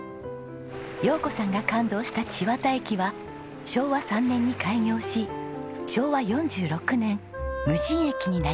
陽子さんが感動した千綿駅は昭和３年に開業し昭和４６年無人駅になりました。